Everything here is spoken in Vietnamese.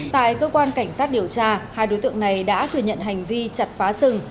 tại cơ quan cảnh sát điều tra hai đối tượng này đã thừa nhận hành vi chặt phá rừng